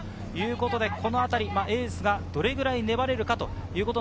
このあたりエースがどれくらい粘れるか。